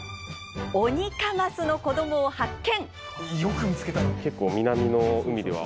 オニカマスの子どもを発見！